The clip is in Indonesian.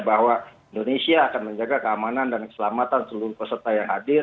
bahwa indonesia akan menjaga keamanan dan keselamatan seluruh peserta yang hadir